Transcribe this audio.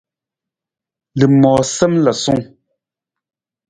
Lamoosam lasung.